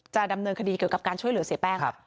ดำเนินคดีเกี่ยวกับการช่วยเหลือเสียแป้ง